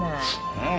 うん。